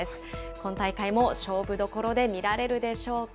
今大会も勝負どころで見られるでしょうか。